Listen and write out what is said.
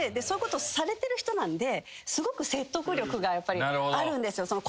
そういうことされてる人なんですごく説得力があるんですよ